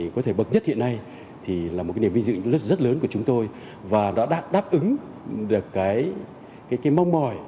có thể bậc nhất hiện nay thì là một cái niềm vinh dự rất lớn của chúng tôi và đã đáp ứng được cái mong mỏi